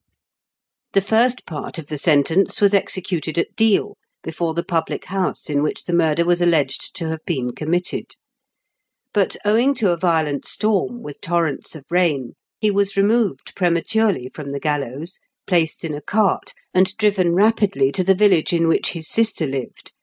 The first part of the sentence was executed at Deal, before the public house in which the murder was alleged to have been committed ; but, owing to a violent storm, with torrents of rain, he was removed prematurely from the gallows, placed in a cart, and driven rapidly to the village in which his sister lived TEE STORY OF AMBROSE GWINETT.